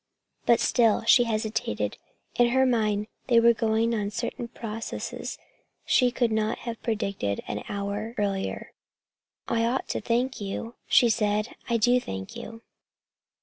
But still she hesitated. In her mind there were going on certain processes she could not have predicted an hour earlier. "I ought to thank you," she said. "I do thank you."